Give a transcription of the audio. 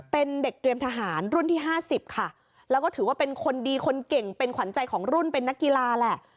เป็นเด็กเตรียมทหารรุ่นที่๕๐ค่ะแล้วก็ถือว่าเป็นคนดีคนเก่งเป็นขวัญใจของรุ่นเป็นนักกีฬาแหละ